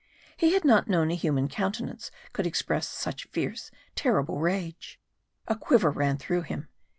He had not known a human countenance could express such fierce, terrible rage. A quiver ran through him.